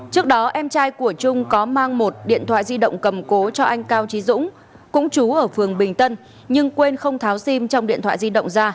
trước đó em trai của trung có mang một điện thoại di động cầm cố cho anh cao trí dũng cũng chú ở phường bình tân nhưng quên không tháo sim trong điện thoại di động ra